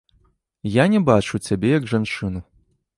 Я не бачыў цябе як жанчыну.